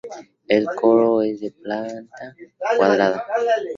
El coro es de planta cuadrada.